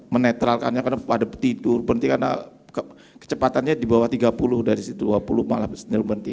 menetralkannya karena pada tidur berhenti karena kecepatannya di bawah tiga puluh dari situ dua puluh malah berhenti